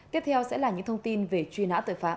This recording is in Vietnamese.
tiếp theo sẽ là những thông tin về truy nã tội phạm